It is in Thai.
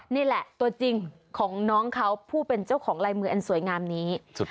นี่แหละตัวจริงของน้องเขาผู้เป็นเจ้าของลายมืออันสวยงามนี้